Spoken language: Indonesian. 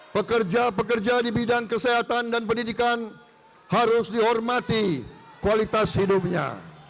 pekerja pekerja di bidang kesehatan dan pendidikan harus dihormati kualitas hidupnya